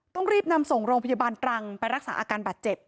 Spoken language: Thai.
ต้องรีบนำส่งโรงพยาบาลตรังไปรักษาอาการบาดเจ็บ